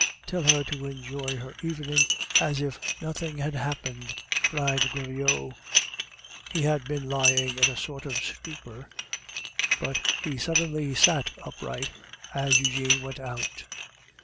"Tell her to enjoy her evening as if nothing had happened," cried Goriot. He had been lying in a sort of stupor, but he suddenly sat upright as Eugene went out.